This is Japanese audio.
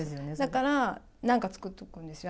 だから、なんか作っとくんですよ。